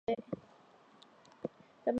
大盘䲟为䲟科大盘䲟属的鱼类。